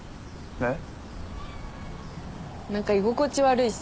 えっ？